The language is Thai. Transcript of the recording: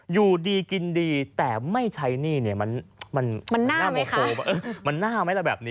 อยู่ดีกินดีแต่ไม่ใช้หนี้มันหน้าไหมแบบนี้